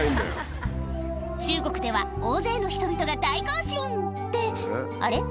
中国では大勢の人々が大行進ってあれ？